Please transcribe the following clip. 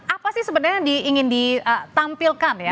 apa sih sebenarnya yang ingin ditampilkan ya